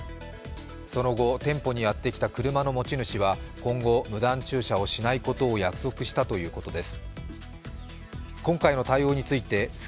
その後、店舗にやってきた車の持ち主は今後、無断駐車をしないことを約束したということです。